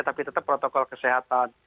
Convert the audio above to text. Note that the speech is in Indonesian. tapi tetap protokol kesehatan